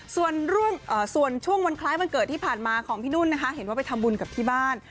ส่วนช่วงวันคล้ายวันเกิดที่ผ่านมาของพี่นุ่นนะคะเห็นว่าไปทำบุญกับที่บ้าน